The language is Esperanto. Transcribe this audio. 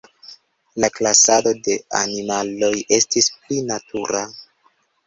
La klasado de animaloj estis pli natura.